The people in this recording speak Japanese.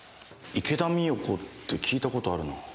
池田美代子って聞いたことあるな。